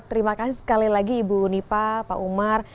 terima kasih sekali lagi ibu nipa pak umar